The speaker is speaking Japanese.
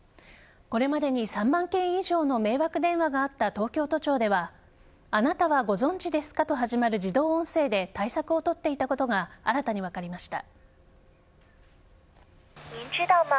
これまでに３万件以上の迷惑電話があった東京都庁ではあなたはご存じですかと始まる自動音声で対策を取っていたことが新たに分かりました。